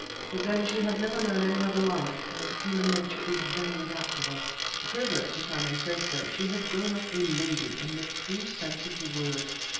But then she had never known any other life, and human nature is very adaptable. Further, if I may say so, she had grown up a lady in the true sense of the word.